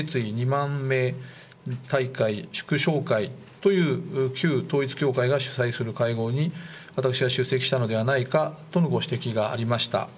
２万名大会祝勝会という旧統一教会が主催する会合に私が出席したのではないかとのご指摘がありました。